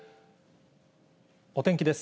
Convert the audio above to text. お天気です。